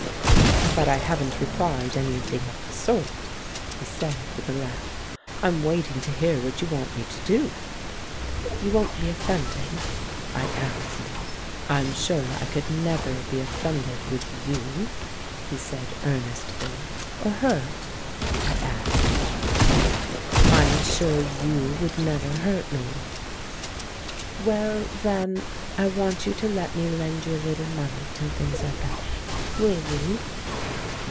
"But I haven't replied anything of the sort," he said, with a laugh; "I'm waiting to hear what you want me to do." "You won't be offended?" I asked. "I'm sure I could never be offended with you,'^ he said earnestly. "Or hurt?" I added ^10 THE MAN WHO UNDERSTOOD WOMEN "I'm sure you would never hurt me." "Well, then, I want you to let me lend you a little money till things are better. Will you?"